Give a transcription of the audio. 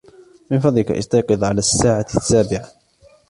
من فضلك ، استيقظ على الساعة السابعة.